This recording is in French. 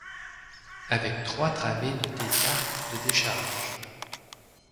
Avec trois travées dotées d’arcs de décharge.